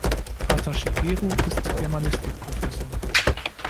Vater Shigeru ist Germanistik-Professor.